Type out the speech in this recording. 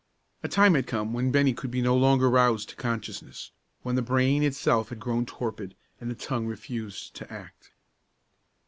A time had come when Bennie could be no longer roused to consciousness, when the brain itself had grown torpid, and the tongue refused to act.